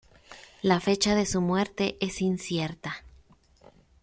La fecha de su muerte es incierta.